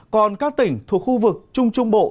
còn các tỉnh thuộc khu vực trung trung bộ